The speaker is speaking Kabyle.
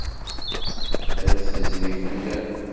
Ad d-tezri fell-am.